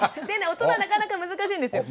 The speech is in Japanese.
大人なかなか難しいんですよ。